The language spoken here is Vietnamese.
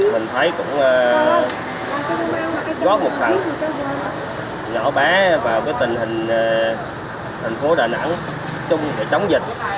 mình thấy cũng gót một thằng nhỏ bé vào cái tình hình thành phố đà nẵng chung để chống dịch